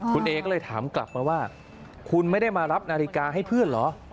คุณเอก็เลยถามกลับมาว่าคุณไม่ได้มารับนาฬิกาให้เพื่อนเหรอ